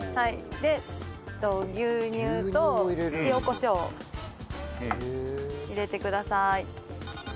で牛乳と塩コショウ入れてください。